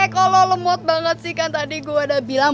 kalau lemot banget sih kan tadi gue udah bilang